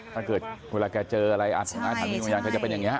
ถ้าเกิดเวลาแกเจออะไรอาทารณีโยงยานก็จะเป็นอย่างนี้